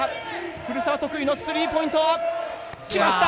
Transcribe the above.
古澤得意のスリーポイント！来ました！